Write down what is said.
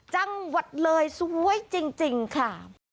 จังหวัดเลยสวยจริงค่ะ